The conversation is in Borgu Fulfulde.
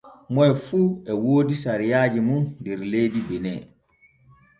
Moy fu e woodi sariaaji mun der leydi bene.